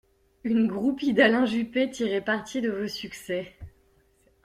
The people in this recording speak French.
Une groupie d'Alain Juppé tirait parti de vos succès.